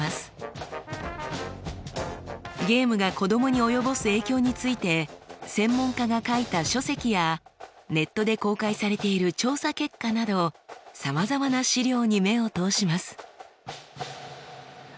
ゲームが子どもに及ぼす影響について専門家が書いた書籍やネットで公開されている調査結果などさまざまな資料に目を通します。